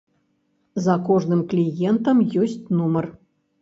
За кожным кліентам ёсць нумар.